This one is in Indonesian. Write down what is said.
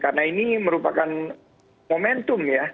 karena ini merupakan momentum ya